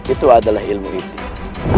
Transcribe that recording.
itu adalah ilmu itis